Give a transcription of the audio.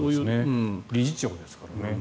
理事長ですからね。